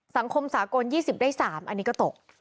สังคมสากล๒๐ได้๓อันนี้ก็ตก